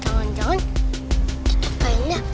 tuhan jangan jangan kita kayaknya